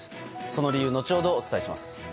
その理由、後ほどお伝えします。